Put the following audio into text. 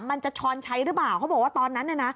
ช้อนใช้หรือเปล่าเขาบอกว่าตอนนั้นน่ะนะ